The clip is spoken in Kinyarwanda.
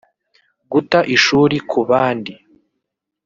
guta ishuri ku bandi